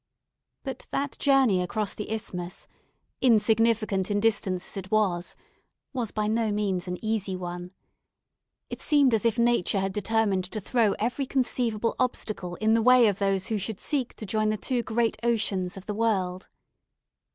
But that journey across the Isthmus, insignificant in distance as it was, was by no means an easy one. It seemed as if nature had determined to throw every conceivable obstacle in the way of those who should seek to join the two great oceans of the world.